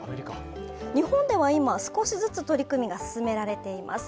日本では今、少しずつ取り組みが進められています。